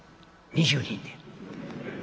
「２０人で」。